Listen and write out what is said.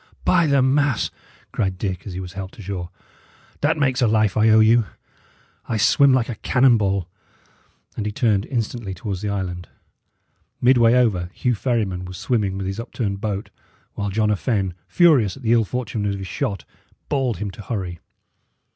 "By the mass!" cried Dick, as he was helped ashore, "that makes a life I owe you. I swim like a cannon ball." And he turned instantly towards the island. Midway over, Hugh Ferryman was swimming with his upturned boat, while John a Fenne, furious at the ill fortune of his shot, bawled to him to hurry.